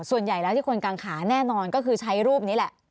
ส่วนใหญ่แล้วที่คนกางขาแน่นอนก็คือใช้รูปนี้แหละ